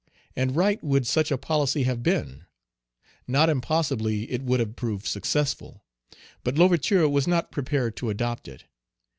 And right would such a policy have been. Not impossibly it would have proved successful. But L'Ouverture was not prepared to adopt it.